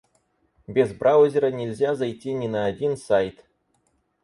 Без браузера нельзя зайти ни на один сайт.